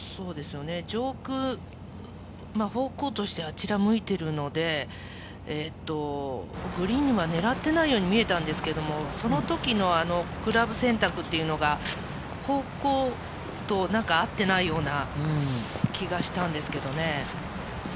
上空、方向としてはあちらを向いているので、グリーンは狙っていないように見えたんですけど、その時のクラブ選択が方向と合っていないような気がしたんですけどね。